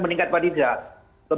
meningkat harus segera